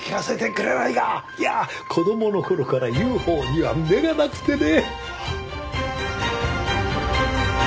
いや子供の頃からＵＦＯには目がなくてね。